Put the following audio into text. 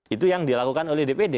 itu yang dilakukan oleh dpd